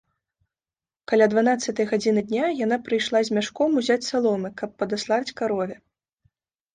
Каля дванаццатай гадзіны дня яна прыйшла з мяшком узяць саломы, каб падаслаць карове.